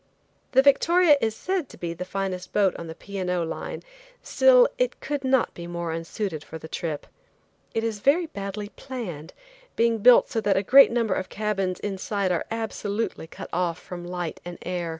The Victoria is said to be the finest boat on the P. and O. Line, still it could not be more unsuited for the trip. It is very badly planned, being built so that a great number of cabins inside are absolutely cut off from light and air.